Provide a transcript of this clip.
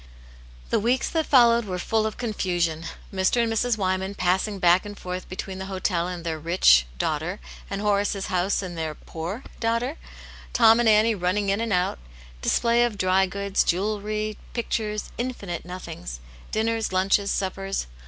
The weeks that followed were full of confusion ; Mr. and Mrs. Wyman passing back and forth be tween the hotel and their rich (?) daughter, and Horace's house and their poor (?) daughter; Tom and Annie running in and out ; display of dry goods, jewellery, pictures, infinite nothings; dinners, lunches, suppers.